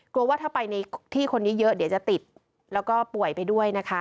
ว่าถ้าไปในที่คนนี้เยอะเดี๋ยวจะติดแล้วก็ป่วยไปด้วยนะคะ